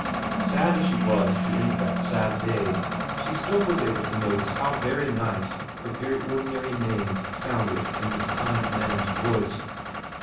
Sad as she was at the end of that sad day, she still was able to notice how nice her very ordinary name sounded in this kind man's voice.